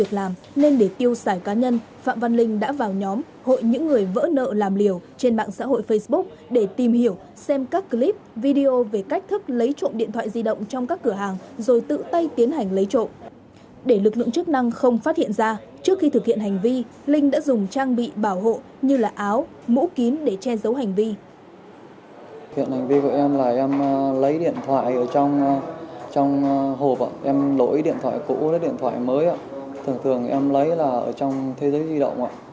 em lấy điện thoại ở trong hộp em lỗi điện thoại cũ điện thoại mới thường thường em lấy là ở trong thế giới di động và việt theo